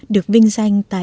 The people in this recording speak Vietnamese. được vinh danh tại lễ tuyên bố